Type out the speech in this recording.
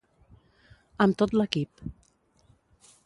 Amb tot l'equip.